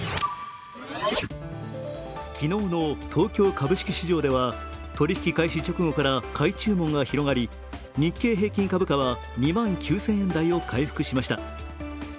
昨日の東京株式市場では取引開始直後から買い注文が広がり、日経平均株価は２万９０００円台を回復しました。